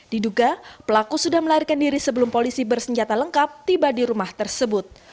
diduga pelaku sudah melarikan diri sebelum polisi bersenjata lengkap tiba di rumah tersebut